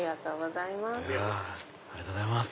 ありがとうございます。